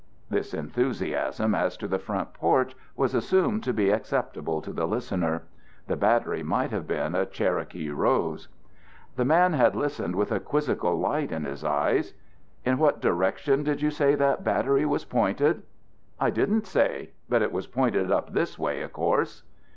This enthusiasm as to the front porch was assumed to be acceptable to the listener. The battery might have been a Cherokee rose. The man had listened with a quizzical light in his eyes. "In what direction did you say that battery was pointed?" "I didn't say; but it was pointed up this way, of course."